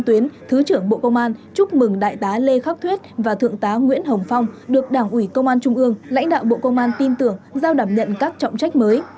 tuyến thứ trưởng bộ công an chúc mừng đại tá lê khắc thuyết và thượng tá nguyễn hồng phong được đảng ủy công an trung ương lãnh đạo bộ công an tin tưởng giao đảm nhận các trọng trách mới